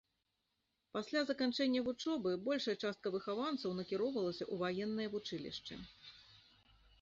Пасля заканчэння вучобы большая частка выхаванцаў накіроўвалася ў ваенныя вучылішчы.